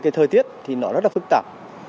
thời tiết rất phức tạp